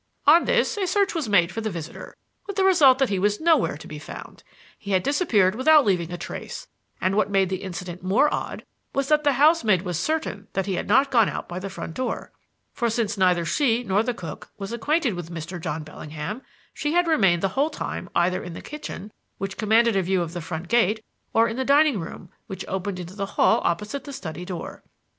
"On this a search was made for the visitor, with the result that he was nowhere to be found. He had disappeared without leaving a trace, and what made the incident more odd was that the housemaid was certain that he had not gone out by the front door. For since neither she nor the cook was acquainted with Mr. John Bellingham, she had remained the whole time either in the kitchen, which commanded a view of the front gate, or in the dining room, which opened into the hall opposite the study door.